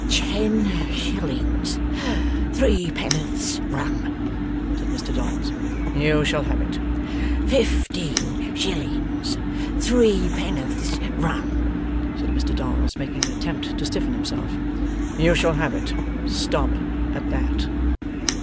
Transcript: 'Ten shillings Threepenn'orths Rum,' said Mr Dolls. 'You shall have it.' 'Fifteen shillings Threepenn'orths Rum,' said Mr Dolls, making an attempt to stiffen himself. 'You shall have it. Stop at that.